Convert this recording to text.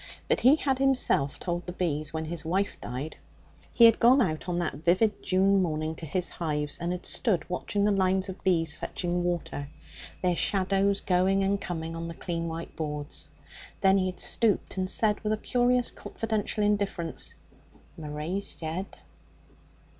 But he had himself told the bees when his wife died. He had gone out on that vivid June morning to his hives, and had stood watching the lines of bees fetching water, their shadows going and coming on the clean white boards. Then he had stooped and said with a curious confidential indifference, 'Maray's jead.'